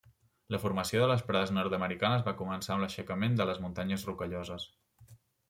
La formació de les prades nord-americanes van començar amb l'aixecament de les Muntanyes Rocalloses.